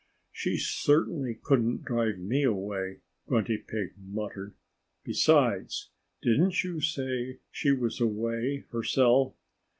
"She certainly couldn't drive me away," Grunty Pig muttered. "Besides, didn't you say she was away herself?"